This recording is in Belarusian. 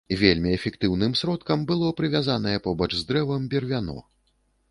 Вельмі эфектыўным сродкам было прывязанае побач з дрэвам бервяно.